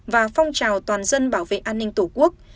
và phong trào toàn dân bảo vệ an ninh tổ quốc